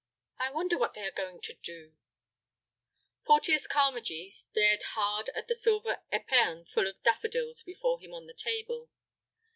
I wonder what they are going to do." Porteus Carmagee stared hard at the silver epergne full of daffodils before him on the table.